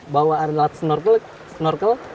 bawa alat snorkel